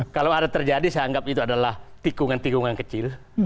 kalau ada terjadi saya anggap itu adalah tikungan tikungan kecil